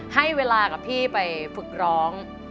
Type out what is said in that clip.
ให้เวลากับพี่ไปฝึกร้อง